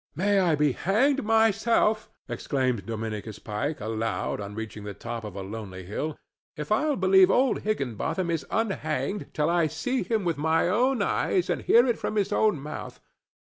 "May I be hanged myself," exclaimed Dominicus Pike, aloud, on reaching the top of a lonely hill, "if I'll believe old Higginbotham is unhanged till I see him with my own eyes and hear it from his own mouth.